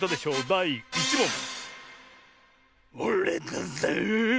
だい１もん！